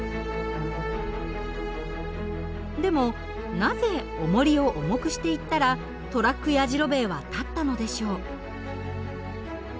でもなぜおもりを重くしていったらトラックやじろべえは立ったのでしょう？